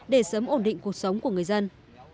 để sớm ổn định cuộc sống của người dân